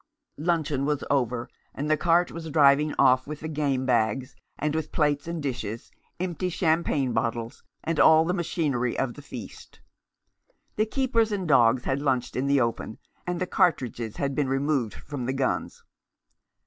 Luncheon was over, and the cart was driving off with the game bags, and with plates and dishes, empty champagne bottles, and all the machinery of the feast. The keepers and dogs had lunched in the open, and the cartridges had been removed from the guns.